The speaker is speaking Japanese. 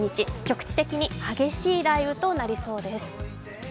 局地的に激しい雷雨となりそうです。